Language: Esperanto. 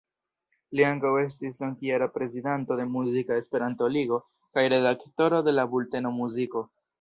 Li ankaŭ estis longjara prezidanto de Muzika Esperanto-Ligo kaj redaktoro de la bulteno "Muziko".